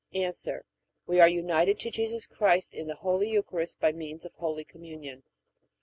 A. We are united to Jesus Christ in the Holy Eucharist by means of Holy Communion.